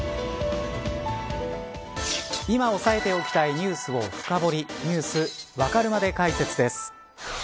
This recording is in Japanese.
今押さえておきたいニュースを深掘りニュースわかるまで解説です。